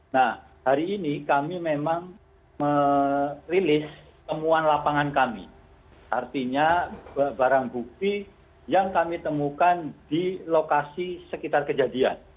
nah hari ini kami memang merilis temuan lapangan kami artinya barang bukti yang kami temukan di lokasi sekitar kejadian